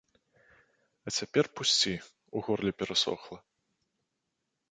А цяпер пусці, у горле перасохла.